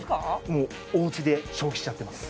もうおうちで消費しちゃってます。